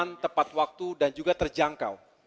harus menempatkan waktu dan juga terjangkau